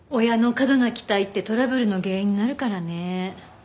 親の過度な期待ってトラブルの原因になるからね。